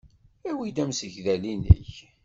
Awi-d amsegdal-nnek.